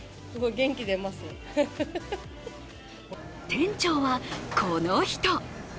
店長は、この人。